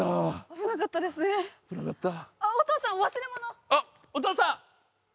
危なかったお父さん忘れ物あっお父さん！